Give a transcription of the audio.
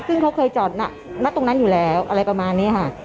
ซึ่งเขาเคยจอดณตรงนั้นอยู่แล้วอะไรประมาณนี้ค่ะ